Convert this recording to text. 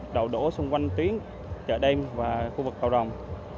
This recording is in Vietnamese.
đậu đổ xung quanh tuyến chợ đêm và khu vực cầu rồng